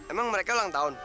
emang mereka ulang tahun